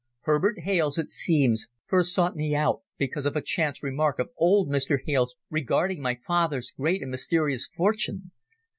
Herbert Hales, it seems, first sought me out because of a chance remark of old Mr. Hales regarding my father's great and mysterious fortune.